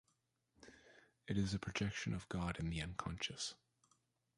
It is a projection of God in the unconscious.